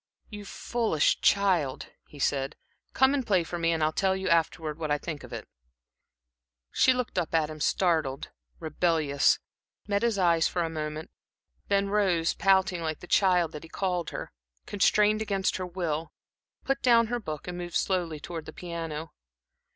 "You foolish child," he said, "come and play for me, and I'll tell you, afterwards, what I think of it." She looked up at him startled, rebellious, met his eyes for a moment, then rose, pouting, like the child that he called her, constrained against her will, put down her book, and moved slowly toward the piano.